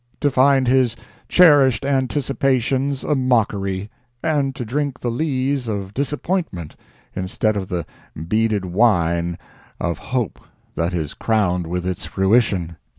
—to find his cherished anticipations a mockery, and to drink the lees of disappointment instead of the beaded wine of a hope that is crowned with its fruition!